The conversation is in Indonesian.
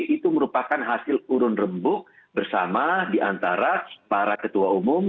itu merupakan hasil urun rembuk bersama diantara para ketua umum